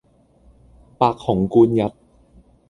白虹貫日